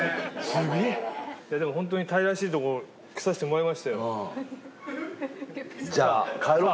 すげえでもホントにタイらしいとこ来させてもらいましたよさあ帰ろう